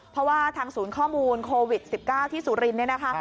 เพราะว่าทางศูนย์ข้อมูลโควิด๑๙ที่สุรินทร์